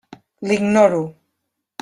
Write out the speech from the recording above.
L'ignoro.